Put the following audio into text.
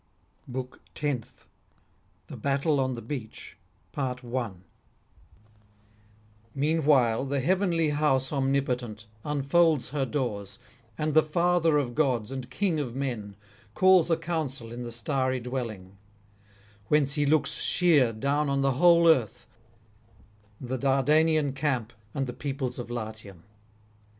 BOOK TENTH THE BATTLE ON THE BEACH Meanwhile the heavenly house omnipotent unfolds her doors, and the father of gods and king of men calls a council in the starry dwelling; whence he looks sheer down on the whole earth, the Dardanian camp, and the peoples of Latium.